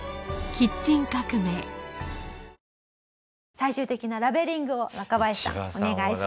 最終的なラベリングを若林さんお願いします。